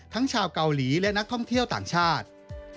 ชาวเกาหลีและนักท่องเที่ยวต่างชาติ